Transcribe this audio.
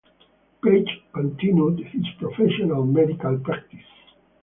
Page continued his professional medical practice.